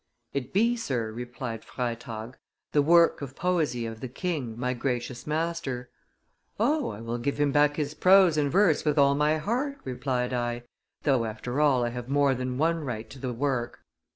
'It be, sir,' replied Freytag, 'the work of poesy of the king, my gracious master.' 'O! I will give him back his prose and verse with all my heart,' replied I, 'though, after all, I have more than one right to the work.